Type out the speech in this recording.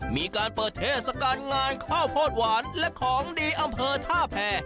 มีการเปิดเทศกาลงานข้าวโพดหวานและของดีอำเภอท่าแพร